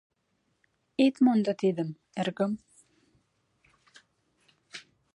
Ит мондо тидым, эргым.